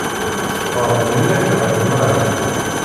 Tfeqɛeḍ mliḥ ɣef Mary.